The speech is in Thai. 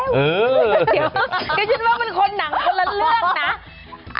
เขียนชื่อมาเป็นหนังคนละเรื่องนะ